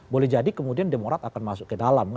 boleh jadi kemudian demokrat akan masuk ke dalam